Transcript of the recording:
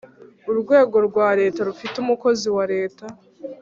Urwego rwa Leta rufite umukozi wa Leta